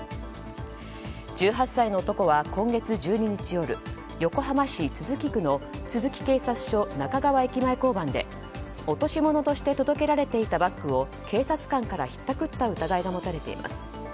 １８歳の男は今月１２日夜横浜市都筑区の都筑警察署、中川駅前交番で落とし物として届けられていたバッグを警察官からひったくった疑いが持たれています。